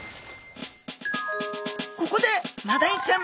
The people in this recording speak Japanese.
ここでマダイちゃん